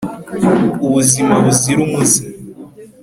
Ubuzima buzira umuze